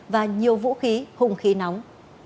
và nhiều vũ khí hùng khí nóng